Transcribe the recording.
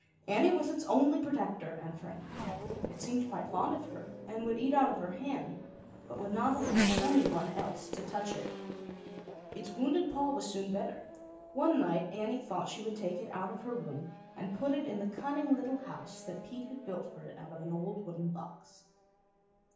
Annie was its only protector and friend. It seemed quite fond of her, and would eat out of her hand, but would not allow one else to touch it. Its wounded paw was soon better, ight Annie thought she would take 43 / ZAUBERLINDA, THE WISE WITCH. it out of her room and put it in the cun ning; little house that Pete had built fo o it out of an old wooden box.